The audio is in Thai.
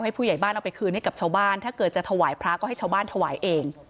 ผู้ใหญ่บ้านเอาไปคืนให้กับชาวบ้านถ้าเกิดจะถวายพระก็ให้ชาวบ้านถวายเอง